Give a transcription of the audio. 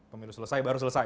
pemilih selesai baru selesai